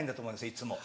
いつも。